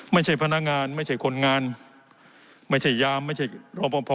ไม่ใช่พนักงานไม่ใช่คนงานไม่ใช่ยามไม่ใช่รอปภ